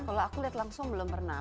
kalau aku lihat langsung belum pernah